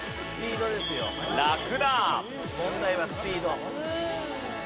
問題はスピード。